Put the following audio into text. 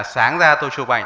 sáng ra tôi chụp ảnh